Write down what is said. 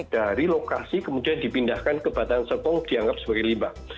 dari lokasi kemudian dipindahkan ke batang serpong dianggap sebagai limbah